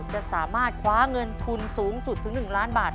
จะสามารถคว้าเงินทุนสูงสุดถึง๑ล้านบาท